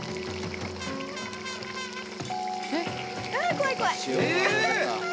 怖い怖い。